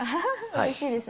うれしいですね。